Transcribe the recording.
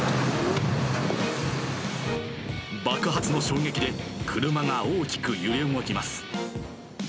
爆発の衝撃で車が大きく揺れ動きます。